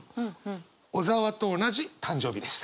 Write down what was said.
小沢と同じ誕生日です。